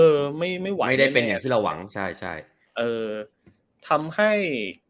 เออไม่ไม่ไหวได้เป็นอย่างที่เราหวังใช่ใช่เอ่อทำให้